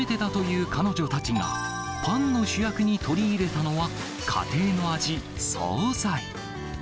パン作りを初めてだという彼女たちがパンの主役に取り入れたのは、家庭の味、総菜。